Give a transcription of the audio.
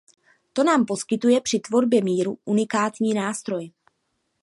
To nám poskytuje při tvorbě míru unikátní nástroj.